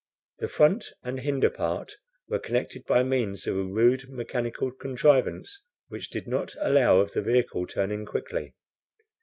The front and hinder part were connected by means of a rude mechanical contrivance, which did not allow of the vehicle turning quickly.